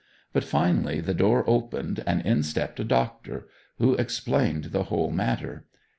But finally the door opened and in stepped a doctor, who explained the whole matter.